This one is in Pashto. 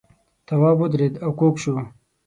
تواب ودرېد او کوږ شو.